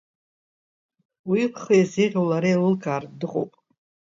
Уи лхы иазеӷьу лара еилылкаартә дыҟоуп.